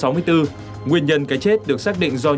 nguyên nhân cái chết được xác định do nhân